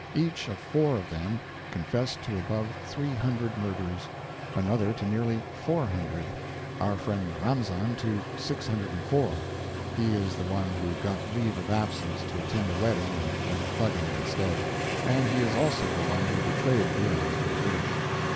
Each of four of them confessed to above 300 murders; another to nearly 400; our friend Ramzam to 604 he is the one who got leave of absence to attend a wedding and went thugging instead; and he is also the one who betrayed Buhram to the British.